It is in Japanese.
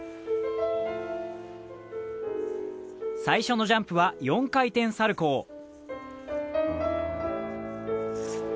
最初のジャンプは４回転サルコウ